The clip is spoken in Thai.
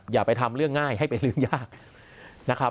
อย่าไปทำเรื่องง่ายให้เป็นเรื่องยากนะครับ